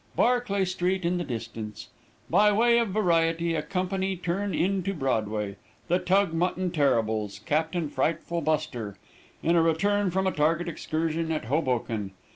Barclay street in the distance. By way of variety, a company turn into Broadway, 'The Tugmutton Terribles, Captain Frightful Buster,' in a return from a target excursion at Hoboken.